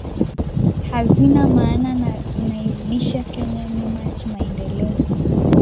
hazina maana na zinairudisha Kenya nyuma kimaendeleo